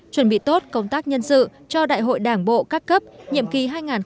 chuẩn bị tốt công tác nhân sự cho đại hội đảng bộ các cấp nhiệm kỳ hai nghìn hai mươi hai nghìn hai mươi năm